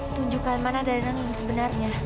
tunjukkan mana dan yang sebenarnya